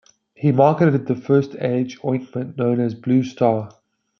He marketed the first-aid ointment known as "Blue Star".